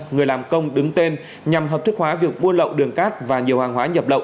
người làm công đứng tên nhằm hợp thức hóa việc buôn lậu đường cát và nhiều hàng hóa nhập lậu